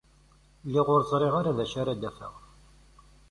Lliɣ ur ẓriɣ ara d acu ara d-afeɣ.